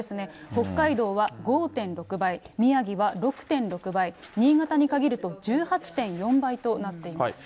北海道は５．６倍、宮城は６．６倍、新潟に限ると１８．４倍となっています。